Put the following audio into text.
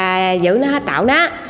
à giữ nó tạo nó